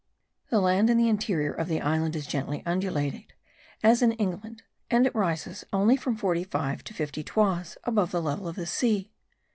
The land in the interior of the island is gently undulated, as in England; and it rises only from 45 to 50 toises above the level of the sea.